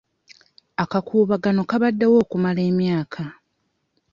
Akakuubagano kabaddewo okumala emyaka.